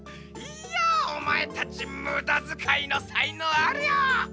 いやおまえたちむだづかいのさいのうあるよ！